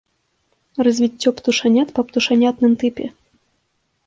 Развіццё птушанят па птушанятным тыпе.